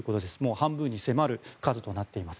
半分に迫る数となっています。